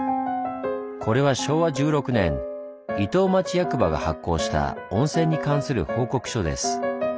これは昭和１６年伊東町役場が発行した温泉に関する報告書です。